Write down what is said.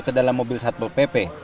ke dalam mobil satpol pp